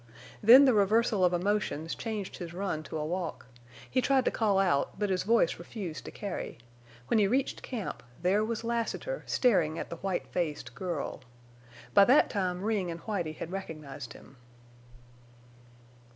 Then the reversal of emotions changed his run to a walk; he tried to call out, but his voice refused to carry; when he reached camp there was Lassiter staring at the white faced girl. By that time Ring and Whitie had recognized him.